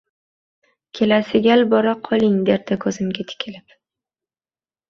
Kelasi gal boraqoling, derdi ko`zimga tikilib